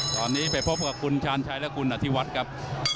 ตอนนี้ไปพบกับคุณชาญชัยและคุณอธิวัฒน์ครับ